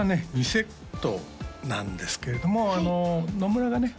２セットなんですけれども野村がね